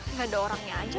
gak ada orangnya aja